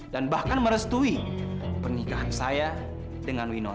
dan bahkan merestui pernikahan saya dengan winona